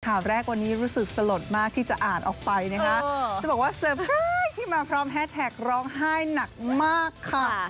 ข่าวแรกวันนี้รู้สึกสลดมากที่จะอ่านออกไปนะคะจะบอกว่าเซอร์ไพรส์ที่มาพร้อมแฮสแท็กร้องไห้หนักมากค่ะ